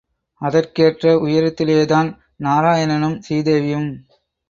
அதற்கேற்ற உயரத்திலேதான் நாராயணனும், சீதேவியும்.